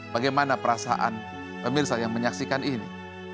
bagaimana perasaan pemirsa yang menyaksikan ini